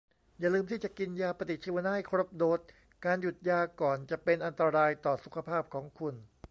อย่าลืมที่จะกินยาปฏิชีวนะให้ครบโดส การหยุดยาก่อนจะเป็นอันตรายต่อสุขภาพของคุณ